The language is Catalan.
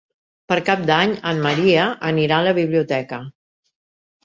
Per Cap d'Any en Maria anirà a la biblioteca.